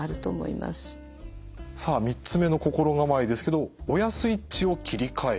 さあ３つ目の心構えですけど「親スイッチを切り替える」。